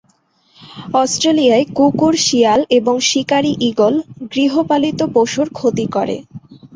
অস্ট্রেলিয়ায় কুকুর, শিয়াল এবং শিকারি ঈগল গৃহপালিত পশুর ক্ষতি করে।